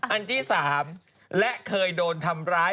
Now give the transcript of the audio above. อันที่๓และเคยโดนทำร้าย